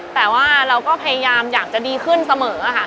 แต่ว่าเราก็พยายามอยากจะดีขึ้นเสมอค่ะ